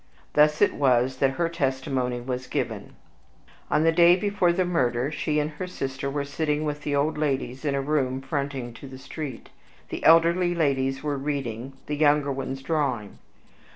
Thus it was that her testimony was given: On the day before the murder, she and her sister were sitting with the old ladies in a room fronting to the street; the elder ladies were reading, the younger ones drawing.